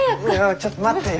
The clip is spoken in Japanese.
ちょっと待ってよ。